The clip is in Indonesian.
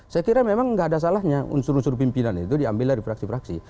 saya kira memang nggak ada salahnya unsur unsur pimpinan itu diambil dari fraksi fraksi